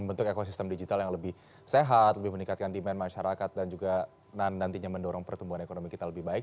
membentuk ekosistem digital yang lebih sehat lebih meningkatkan demand masyarakat dan juga nantinya mendorong pertumbuhan ekonomi kita lebih baik